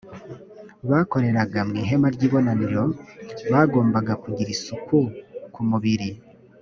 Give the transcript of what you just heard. bakoreraga mu ihema ry ibonaniro bagombaga kugira isuku ku mubiri